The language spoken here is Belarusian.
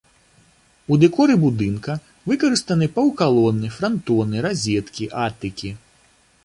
У дэкоры будынка выкарыстаны паўкалоны, франтоны, разеткі, атыкі.